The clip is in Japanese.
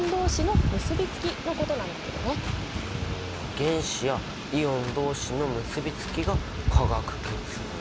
原子やイオンどうしの結びつきが化学結合。